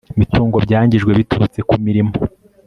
mitungo byangijwe biturutse ku mirimo